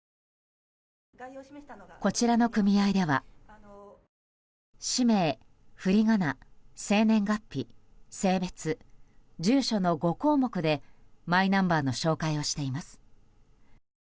こちらの組合では氏名、振り仮名、生年月日、性別住所の５項目でマイナンバーの照会をしています。